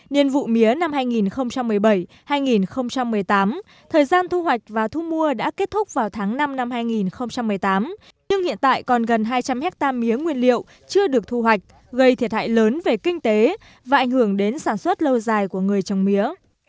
nhiên vụ mía năm hai nghìn một mươi bảy hai nghìn một mươi tám thời gian thu hoạch và thu mua đã kết thúc vào tháng năm năm hai nghìn một mươi tám nhưng hiện tại còn gần hai trăm linh hectare mía nguyên liệu chưa được thu hoạch gây thiệt hại lớn về kinh tế và ảnh hưởng đến sản xuất lâu dài của người trồng mía